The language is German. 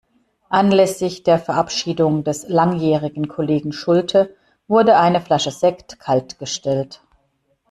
Anlässlich der Verabschiedung des langjährigen Kollegen Schulte, wurde eine Flasche Sekt kaltgestellt.